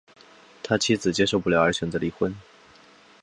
他妻子受不了而选择离婚